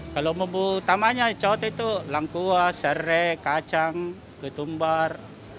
kalau membunuh utamanya coto itu langkuas serai kacang ketumbar